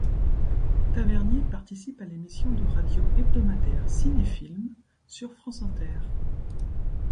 Tavernier participe à l'émission de radio hebdomadaire Cinéfilms sur France Inter.